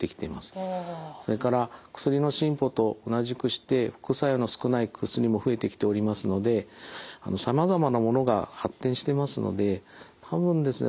それから薬の進歩と同じくして副作用の少ない薬も増えてきておりますのでさまざまなものが発展してますので多分ですね